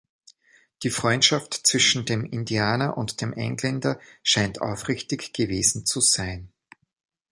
Die Freundschaft zwischen dem Indianer und dem Engländer scheint aufrichtig gewesen zu sein.